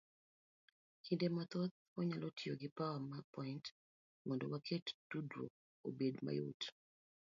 Kinde mathoth wanyalo tiyo gi power point, mondo waket tudruok obed mayot.